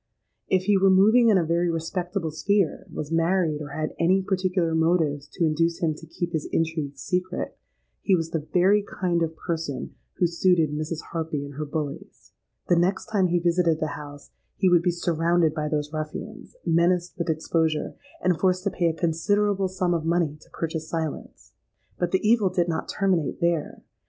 If he were moving in a very respectable sphere, was married, or had any particular motives to induce him to keep his intrigue secret, he was the very kind of person who suited Mrs. Harpy and her bullies. The next time he visited the house, he would be surrounded by those ruffians, menaced with exposure, and forced to pay a considerable sum of money to purchase silence. But the evil did not terminate there.